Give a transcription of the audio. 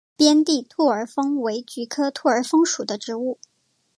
边地兔儿风为菊科兔儿风属的植物。